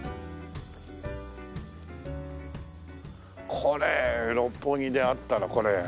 これ六本木であったらこれ。